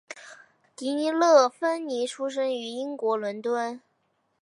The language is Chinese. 迪乐芬妮出生于英国伦敦。